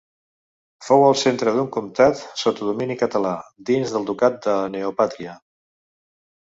Fou el centre d'un comtat sota domini català, dins del Ducat de Neopàtria.